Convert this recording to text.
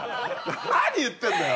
何言ってんだよ！